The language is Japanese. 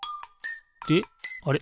であれ？